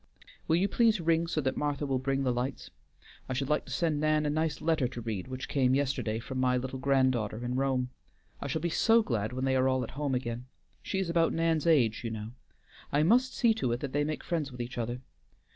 Will you please ring, so that Martha will bring the lights? I should like to send Nan a nice letter to read which came yesterday from my little grand daughter in Rome. I shall be so glad when they are all at home again. She is about Nan's age, you know; I must see to it that they make friends with each other.